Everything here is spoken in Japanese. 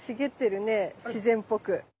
自然っぽく。